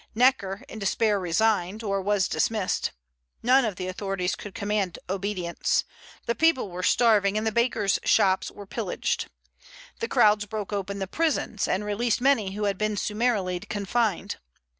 Necker in despair resigned, or was dismissed. None of the authorities could command obedience. The people were starving, and the bakers' shops were pillaged. The crowds broke open the prisons, and released many who had been summarily confined.